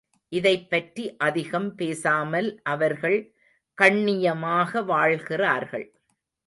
இதைப்பற்றி அதிகம் பேசாமல் அவர்கள் கண்ணியமாக வாழ்கிறார்கள்.